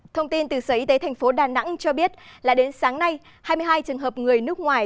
thông tin từ sở y tế thành phố đà nẵng cho biết là đến sáng nay hai mươi hai trường hợp người nước ngoài